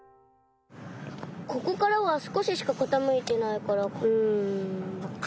ここからはすこししかかたむいてないからうん。